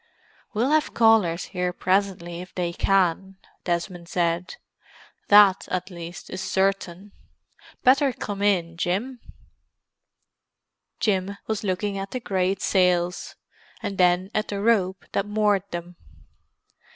"We'll have callers here presently if they can," Desmond said. "That, at least, is certain. Better come in, Jim." Jim was looking at the great sails, and then at the rope that moored them.